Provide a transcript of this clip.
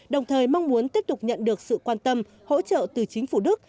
đồng thời mong muốn tiếp tục nhận được sự quan tâm hỗ trợ từ chính phủ đức